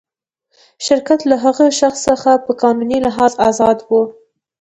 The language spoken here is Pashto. شرکت له هغه شخص څخه په قانوني لحاظ آزاد و.